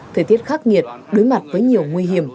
thời tiết khắc nghiệt đối mặt với nhiều nguy hiểm